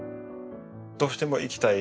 どうしても行きたい。